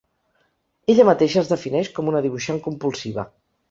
Ella mateixa es defineix com una dibuixant compulsiva.